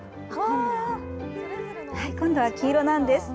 今度は黄色なんです。